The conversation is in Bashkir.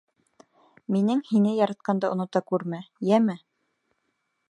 Минең һине яратҡанды онота күрмә, йәме?!